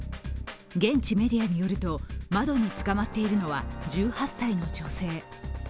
現地メディアによると、窓につかまっているのは１８歳の女性。